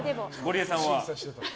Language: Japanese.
ゴリエさんは？